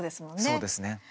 そうですね。